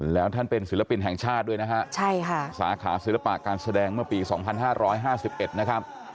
แล้วท่านเป็นศิลปินแห่งชาติด้วยนะฮะสาขาศิลปะการแสดงเมื่อปี๒๕๕๑นะครับ